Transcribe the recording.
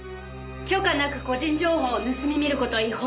許可なく個人情報を盗み見る事は違法です。